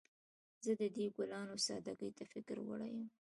زه د دې ګلانو سادګۍ ته فکر وړی یم